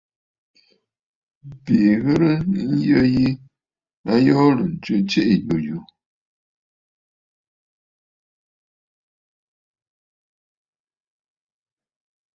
Bìʼì ghɨ̀rə ŋghɛ̀ɛ̀ ǹyə yi, a yoorə̀ ǹtswe tsiiʼì yùyù.